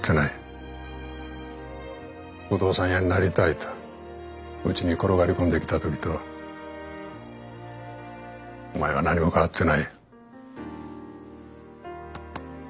「不動産屋になりたい」とうちに転がり込んできた時とお前は何も変わってない。